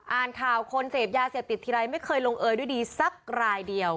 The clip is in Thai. อ่านข่าวคนเสพยาเสพติดทีไรไม่เคยลงเอยด้วยดีสักรายเดียว